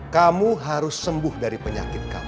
kamu harus sembuh dari penyakit kamu